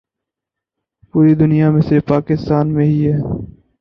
پوری دنیا میں صرف پاکستان میں ہی ہیں ۔